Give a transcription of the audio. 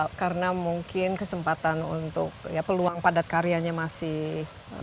ini kenapa karena mungkin kesempatan untuk peluang padat karyanya masih tinggi